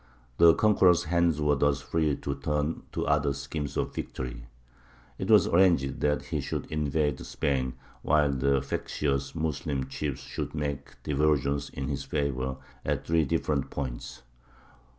The conqueror's hands were thus free to turn to other schemes of victory. It was arranged that he should invade Spain, while the factious Moslem chiefs should make diversions in his favour at three different points.